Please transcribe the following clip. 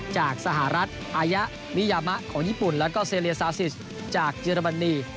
จากสหรัฐอายะมิยามะของญี่ปุ่นแล้วก็เซเลียซาซิสจากเยอรมนี